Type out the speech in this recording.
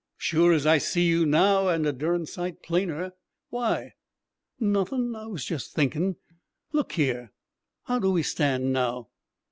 "Sure as I see you now and a darned sight plainer. Why?" "Nothin', I was just thinkin'. Look here! How do we stand now?"